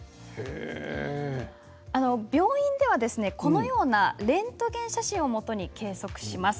病院ではこのようなレントゲン写真をもとに計測します。